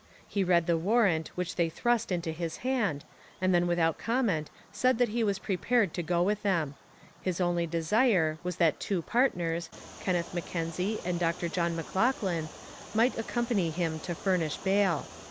He read the warrant which they thrust into his hand, and then without comment said that he was prepared to go with them. His only desire was that two partners, Kenneth M'Kenzie and Dr John M'Loughlin, might accompany him to furnish bail.